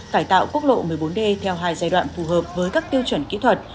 cải tạo quốc lộ một mươi bốn d theo hai giai đoạn phù hợp với các tiêu chuẩn kỹ thuật